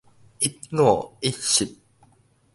一五一十